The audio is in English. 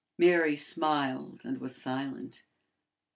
Mary smiled and was silent.